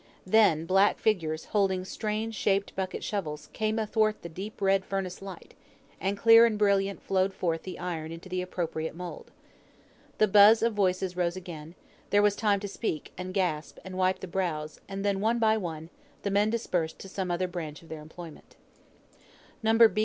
Then, black figures, holding strange shaped bucket shovels, came athwart the deep red furnace light, and clear and brilliant flowed forth the iron into the appropriate mould. The buzz of voices rose again; there was time to speak, and gasp, and wipe the brows; and then, one by one, the men dispersed to some other branch of their employment. No. B.